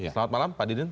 selamat malam pak didin